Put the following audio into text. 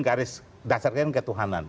garis dasarkan ketuhanan